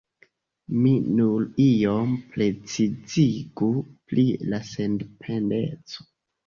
Mi nur iom precizigu pri la sendependeco.